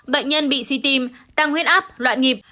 bệnh nhân bị suy tim tăng huyết áp loạn nhịp